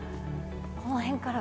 この辺から。